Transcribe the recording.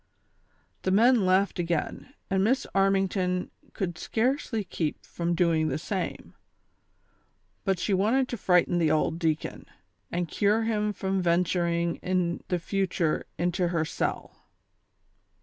The men laughed again, and Miss ArmLugton could scarcely keep from doing the same, but she wanted to frighten the old deacon, and cure him from venturing in the future into her cell.